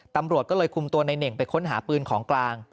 ตำรวจก็เลยคุมตัวในเน่งไปค้นหาปืนของกลาง